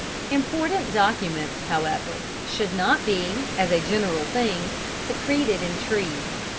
Important documents, however, should not be, as a general thing, secreted in trees.